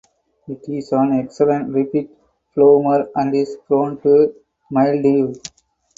It is an excellent repeat bloomer and is prone to mildew.